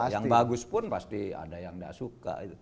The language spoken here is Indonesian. yang bagus pun pasti ada yang tidak suka